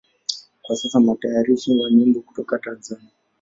Kwa sasa ni mtayarishaji wa nyimbo kutoka Tanzania.